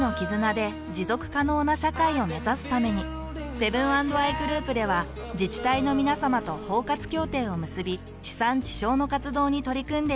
セブン＆アイグループでは自治体のみなさまと包括協定を結び地産地消の活動に取り組んでいます。